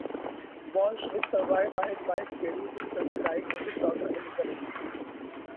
Walsh is survived by his wife Geri, his son Craig and his daughter Elizabeth.